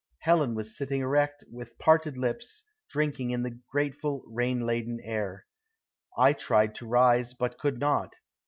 Helen was sitting erect and with parted lips drinking in the grateful rain laden air. I tried to rise, but could not.